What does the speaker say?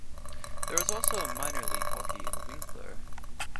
There is also a minor league hockey in Winkler.